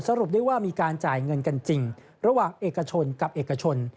สรุปได้ว่ามีการจ่ายเงินกันจริงระหว่างเอกชนกับเอกชน